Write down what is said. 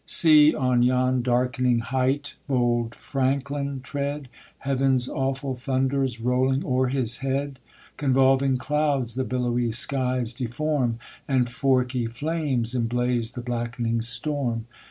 SEE on yon dark'ning height bold Franklin tread, Heav'n's awful thundors rolling o'er his head j Convolving clouds the billowy skies deform, And forky liames embk/.e the blackening storm.